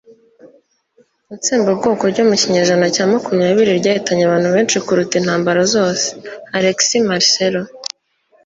itsembabwoko ryo mu kinyejana cya makumyabiri ryahitanye abantu benshi kuruta intambara zose. (alexmarcelo